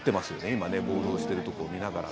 今、暴動をしてるところを見ながら。